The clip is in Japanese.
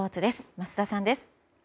桝田さんです。